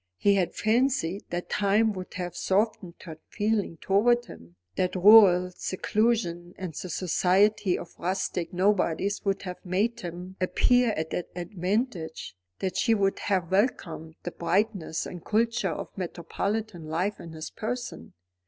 He had fancied that time would have softened her feeling towards him, that rural seclusion and the society of rustic nobodies would have made him appear at an advantage, that she would have welcomed the brightness and culture of metropolitan life in his person.